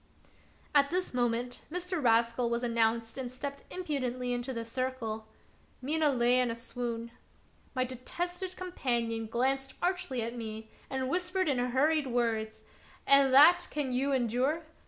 At this moment Mr. Rascal was announced and stepped impudently into the circle. Mina lay in a swoon. My detested companion glanced archly at me and whispered in hurried words :" And that can you endure